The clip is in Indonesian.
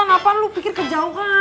kenapa lu pikir kejauhan